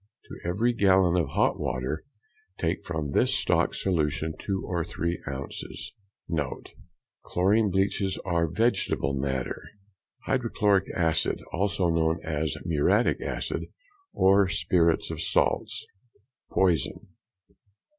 To every gallon of hot water take from this stock solution two or three ounces. NOTE.—Chlorine bleaches all vegetable matter. Hydrochloric acid, also known as muriatic acid or spirits of salts (poison).